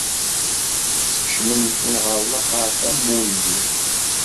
Skecmen-ten ɣer laxert am wulli.